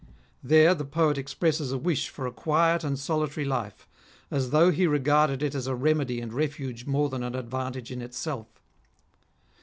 There the poet expresses a wish for a quiet and solitary life, as though he regarded it as a remedy and refuge more than an advantage in itself.